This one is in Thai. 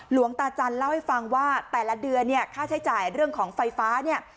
หลวงตาจันทร์เล่าให้ฟังว่าแต่ละเดือนเนี่ยค่าใช้จ่ายเรื่องของไฟฟ้าเนี่ย